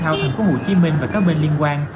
tham gia thao thành phố hồ chí minh và các bên liên quan